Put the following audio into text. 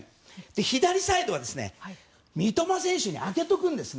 左サイドは三笘選手に空けておくんですね。